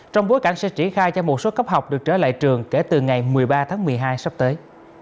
trong bối cảnh sẽ triển khai cho một số cấp học được trở lại trường kể từ ngày một mươi ba tháng một mươi hai sắp tới